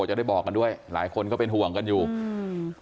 จะได้บอกกันด้วยหลายคนก็เป็นห่วงกันอยู่อืม